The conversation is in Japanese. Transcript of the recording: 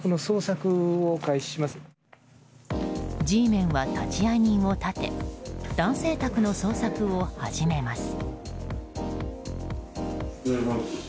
Ｇメンは、立会人を立て男性宅の捜索を始めます。